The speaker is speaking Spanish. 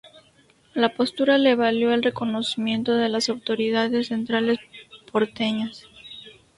La postura le valió el reconocimiento de las autoridades centrales porteñas.